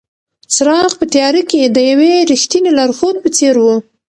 څراغ په تیاره کې د یوې رښتینې لارښود په څېر و.